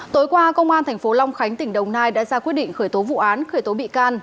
tối qua công an tp long khánh tỉnh đồng nai đã ra quyết định khởi tố vụ án khởi tố bị can